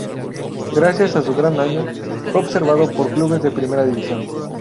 Gracias a su gran año, fue observado por clubes de Primera División.